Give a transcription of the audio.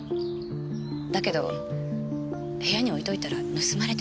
だけど部屋に置いといたら盗まれてしまって。